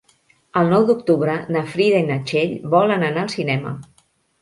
El nou d'octubre na Frida i na Txell volen anar al cinema.